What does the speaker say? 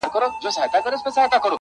چي کوټې ته د خاوند سو ور دننه-